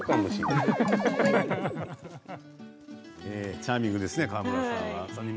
チャーミングですね川村さん。